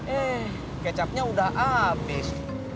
eh kecapnya udah abis